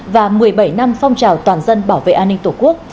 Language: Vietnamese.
và một mươi bảy năm phong trào toàn dân bảo vệ an ninh tổ quốc